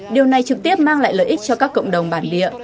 điều này trực tiếp mang lại lợi ích cho các cộng đồng bản địa